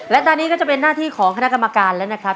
และตอนนี้ก็จะเป็นหน้าที่ของคณะกรรมการแล้วนะครับ